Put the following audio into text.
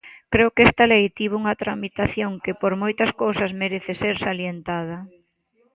Creo que esta lei tivo unha tramitación que por moitas cousas merece ser salientada.